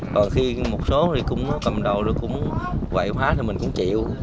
còn khi một số thì cũng cầm đầu rồi cũng quậy hóa thì mình cũng chịu